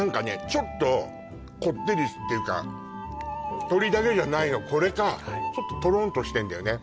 ちょっとこってりっていうか鶏だけじゃないのこれかはいちょっとトロンとしてんだよね